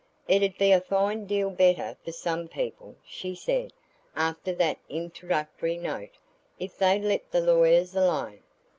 "It 'ud be a fine deal better for some people," she said, after that introductory note, "if they'd let the lawyers alone."